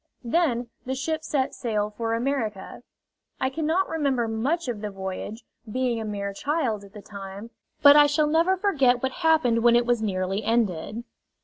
Then the ship set sail for America. I cannot remember much of the voyage, being a mere child at the time, but I shall never forget what happened when it was nearly ended.